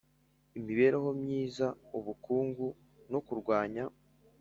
imibereho myiza ubukungu no kurwanya